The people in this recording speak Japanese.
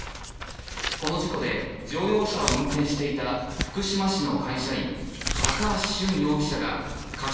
この事故で乗用車を運転していた福島市の会社員高橋俊容疑者が過失